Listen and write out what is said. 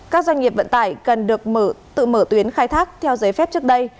các doanh nghiệp vận tải cần được tự mở tuyến khai thác theo giấy phép trước đây